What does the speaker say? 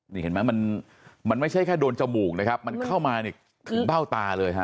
นี่เห็นไหมมันไม่ใช่แค่โดนจมูกนะครับมันเข้ามานี่ถึงเบ้าตาเลยฮะ